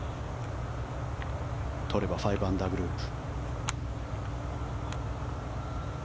取れば５アンダーグループ。